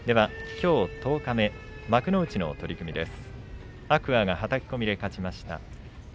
きょう十日目、幕内の取組です。